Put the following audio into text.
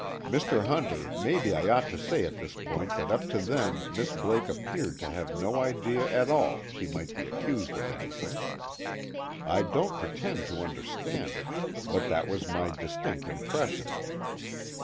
Mr. Hunter, maybe I ought to say at this point that up to then Miss Blake appeared to have no idea at all that she might be accused of anything. I don't pretend to understand it, but that was my distinct impression.